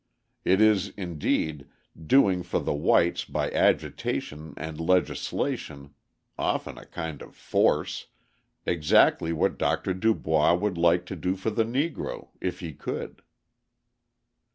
It is, indeed, doing for the whites by agitation and legislation (often a kind of force) exactly what Dr. DuBois would like to do for the Negro, if he could.